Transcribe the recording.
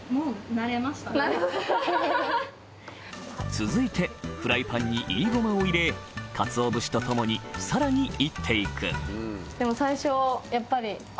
続いてフライパンに炒りゴマを入れかつお節とともにさらに炒っていく不安とか。